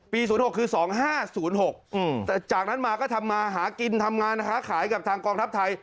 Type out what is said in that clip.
๐๖คือ๒๕๐๖แต่จากนั้นมาก็ทำมาหากินทำงานค้าขายกับทางกองทัพไทย